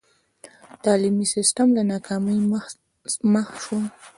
تعلیمي سسټم له ناکامۍ مخ شو.